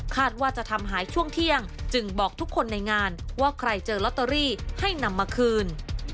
ว่าจะทำหายช่วงเที่ยงจึงบอกทุกคนในงานว่าใครเจอลอตเตอรี่ให้นำมาคืน